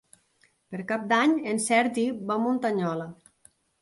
Per Cap d'Any en Sergi va a Muntanyola.